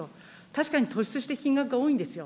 確かに突出して金額が多いんですよ。